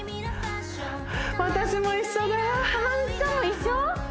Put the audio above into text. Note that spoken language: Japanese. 私も一緒浜口さんも一緒？